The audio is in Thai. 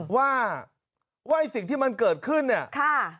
ว่าสิ่งที่มันเกิดขึ้นเนี่ย